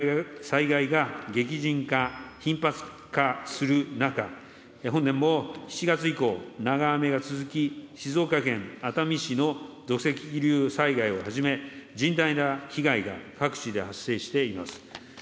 近年、災害が激甚化、頻発化する中、本年も７月以降、長雨が続き、静岡県熱海市の土石流災害をはじめ甚大な被害が各地で発生しています。